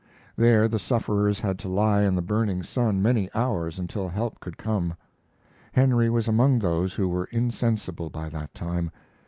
There the sufferers had to lie in the burning sun many hours until help could come. Henry was among those who were insensible by that time.